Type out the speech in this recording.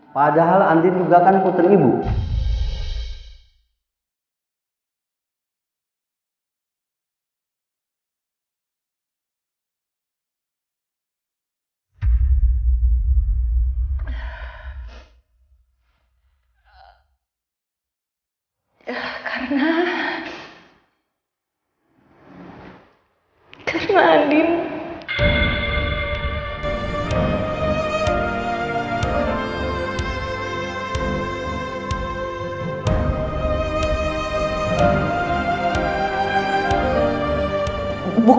padahal adin juga kan kutip ibu